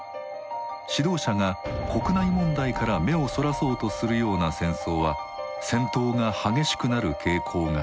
指導者が国内問題から目をそらそうとするような戦争は戦闘が激しくなる傾向がある。